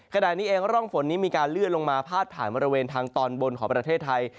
ขณะนี้เองร่องฝนนี้มีการเลื่อนลงมาพาดผ่านบริเวณทางตอนบนของประเทศไทย